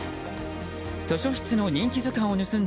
図書室の人気図鑑を盗んだ